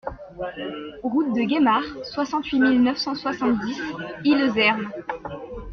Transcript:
Route de Guémar, soixante-huit mille neuf cent soixante-dix Illhaeusern